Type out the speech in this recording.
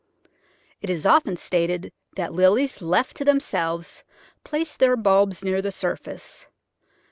It is often stated that Lilies left to themselves place their bulbs near the surface.